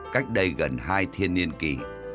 cách đây gần hai thiên niên kỷ